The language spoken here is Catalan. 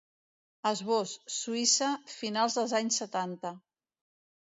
Esbós: Suïssa, finals dels anys setanta.